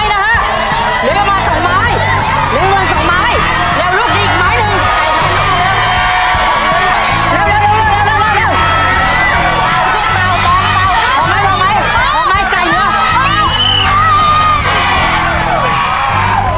เดี๋ยวขอไมซ์ขอไมซ์ไก่หัว